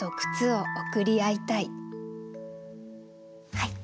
はい。